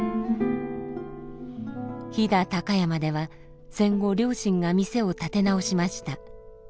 飛騨高山では戦後両親が店を立て直しました。